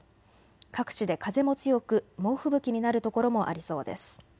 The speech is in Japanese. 各地で風も強く猛吹雪になる所もありそうです。